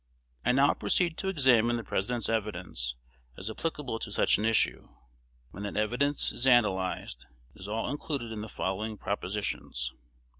I now proceed to examine the President's evidence, as applicable to such an issue. When that evidence is analyzed, it is all included in the following propositions: 1.